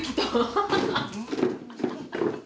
ハハハハ。